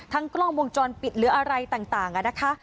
กล้องวงจรปิดหรืออะไรต่างนะคะ